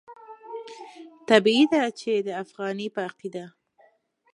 طبیعي ده چې د افغاني په عقیده.